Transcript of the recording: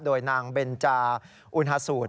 โดยนางเบนจาอุณฮาสูตร